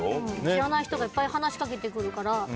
知らない人がいっぱい話しかけてくるから。